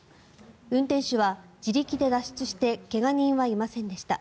運転手は自力で脱出して怪我人はいませんでした。